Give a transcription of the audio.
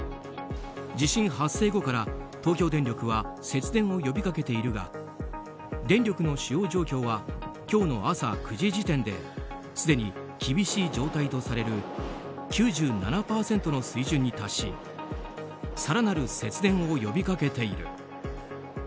地震発生後から東京電力は節電を呼びかけているが電力の使用状況は今日の朝９時時点ですでに厳しい状態とされる９７％の水準に達し更なる節電を呼びかけている。